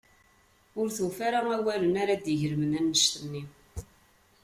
Ur d-tufi ara awalen ara d-igelmen anect-nni.